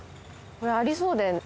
これありそうで。